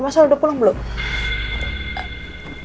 masa udah pulang belum